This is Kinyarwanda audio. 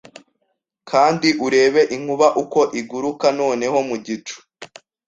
Kandi urebe inkuba uko igurukaNoneho mu gicu